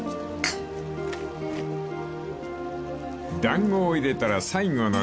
［だんごを入れたら最後の仕上げ］